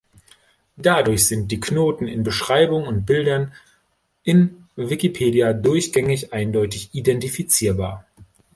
Dadurch sind die Knoten in Beschreibung und Bildern in Wikipedia durchgängig eindeutig identifizierbar.